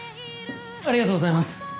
ありがとうございます。